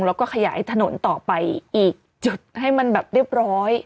แล้วก็ขยายถนนต่อไปอีกจุดให้มันแบบเรียบร้อย